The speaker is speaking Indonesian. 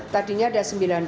tadinya ada sembilan belas